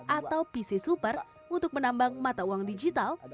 atau pc super untuk menambang mata uang digital